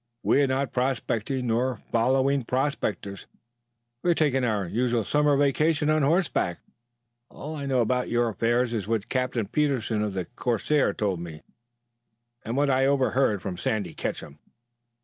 We are not prospecting, nor following prospectors. We are taking our usual summer vacation on horseback. All I know about your affairs is what Captain Petersen of the 'Corsair' told me, and what I overheard from Sandy Ketcham.